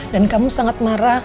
dan kamu sangat marah